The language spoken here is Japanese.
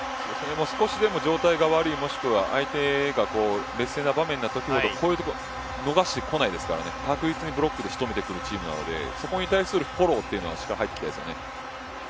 少しでも状態が悪いもしくは相手が劣勢な場面ほどこういうところ伸ばしてこないですから確実にブロックで仕留めてくるチームなのでそこに対するフォローはしっかり入りたいですね。